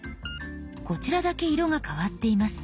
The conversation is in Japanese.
こちらだけ色が変わっています。